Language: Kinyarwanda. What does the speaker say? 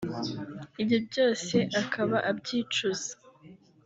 ibyo byose akaba abyicuza